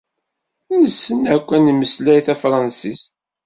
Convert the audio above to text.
Nessen akk ad nemmeslay tafṛansit.